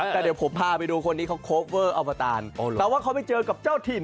ตามในช่วงสะกิดจิ้ม